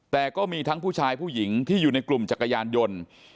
แต่ก็มีทั้งผู้ชายผู้หญิงที่อยู่ในกลุ่มจักรยานยนต์